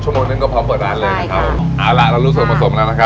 ชั่วโมงนึงก็พร้อมเปิดร้านเลยนะคะใช่ค่ะเอาละเรารู้สัยผสมแล้วนะครับ